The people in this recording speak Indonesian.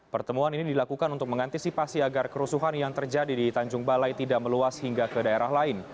pertemuan ini dilakukan untuk mengantisipasi agar kerusuhan yang terjadi di tanjung balai tidak meluas hingga ke daerah lain